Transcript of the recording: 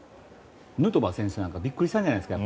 ヌートバー選手はビックリしたんじゃないですか？